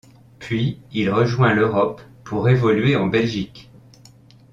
Puis il rejoint l'Europe pour évoluer en Belgique.